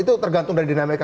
itu tergantung dari dinamika